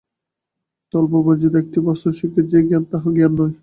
তত্ত্ব-বর্জিত কোন একটি বস্তুবিশেষের যে জ্ঞান, তাহা জ্ঞান নয়।